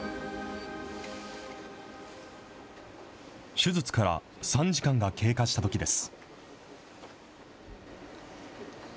手術から３時間が経過したときです。